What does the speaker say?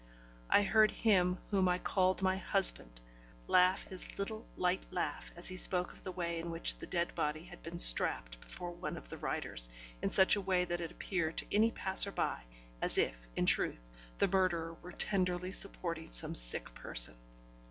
I heard him whom I called my husband, laugh his little light laugh as he spoke of the way in which the dead body had been strapped before one of the riders, in such a way that it appeared to any passer by as if, in truth, the murderer were tenderly supporting some sick person.